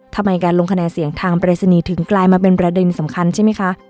ทำไมการลงคะแนนเสียงทางปรายศนีย์ถึงกลายมาเป็นประเด็นสำคัญใช่ไหมคะ